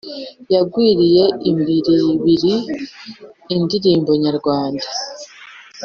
Yagwiriye imbiribiri indirimbo nyarwanda